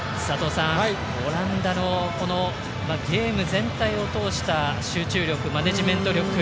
オランダのゲーム全体を通した集中力、マネージメント力